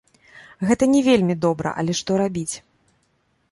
Гэта не вельмі добра, але што рабіць.